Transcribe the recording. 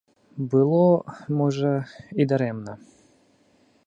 Было, можа, і дарэмна.